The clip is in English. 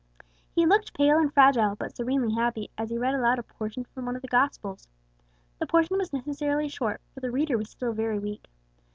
He looked pale and fragile, but serenely happy, as he read aloud a portion from one of the Gospels. The portion was necessarily short, for the reader was still very weak.